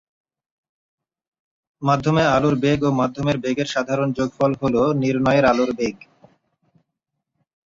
মাধ্যমে আলোর বেগ ও মাধ্যমের বেগের সাধারণ যোগফল হলো নির্ণেয় আলোর বেগ।